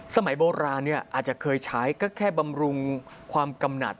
สมัยโบราณอาจจะเคยใช้ก็แค่บำรุงความกำหนัด